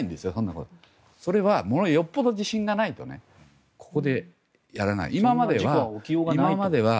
それはよっぽど自信がないとここでやらない。